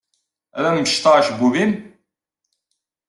Ad am-mecḍeɣ acebbub-im?